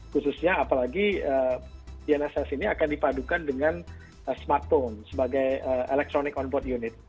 khususnya apalagi tnss ini akan dipadukan dengan smartphone sebagai electronic onboard unit